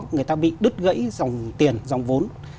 người ta bị đứt gãy dòng tiền dòng vốn